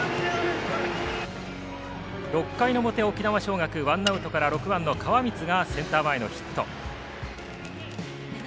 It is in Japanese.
６回の表、沖縄尚学ワンアウトから川満がセンター前のヒット。